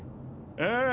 ああ！